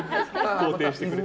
肯定してくれる。